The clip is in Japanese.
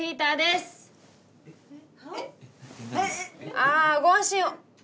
あご安心を！